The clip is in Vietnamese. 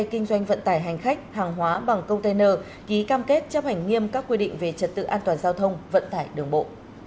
kinh doanh vận tải hành khách hàng hóa bằng container ký cam kết chấp hành nghiêm các quy định về trật tự an toàn giao thông vận tải đường bộ